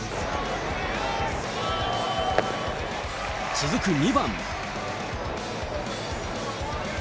続く２番。